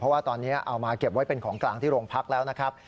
เพราะว่าตอนนี้เอามาเก็บไว้เป็นของกลางที่โรงพักแล้วนะครับ